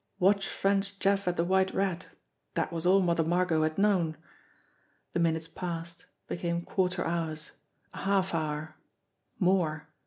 "Watch French Jeff at The White Rat." That was all Mother Margot had known. The minutes passed, became quarter hours, a half hour more.